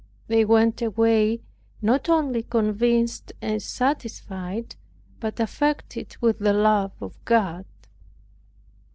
They went away not only convinced and satisfied, but affected with the love of God.